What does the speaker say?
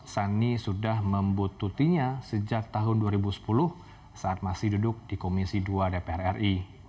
sani sudah membutuhkannya sejak tahun dua ribu sepuluh saat masih duduk di komisi dua dpr ri